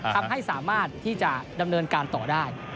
ทำให้สามารถที่จะดำเนินการต่อได้